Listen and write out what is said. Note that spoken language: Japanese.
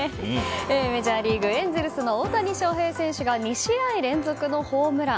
メジャーリーグ、エンゼルスの大谷翔平選手が２試合連続のホームラン。